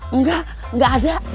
enggak enggak ada